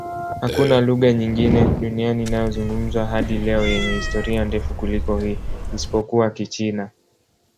Hakuna lugha nyingine duniani inayozungumzwa hadi leo yenye historia ndefu kuliko hii, isipokuwa Kichina.